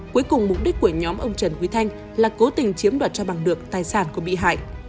cuối cùng mục đích của nhóm ông trần quý thanh là cố tình chiếm đoạt cho bằng được tài sản của bị hại